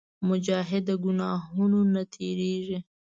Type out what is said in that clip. مجاهد د ګناهونو نه تېرېږي.